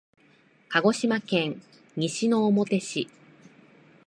鹿児島県西之表市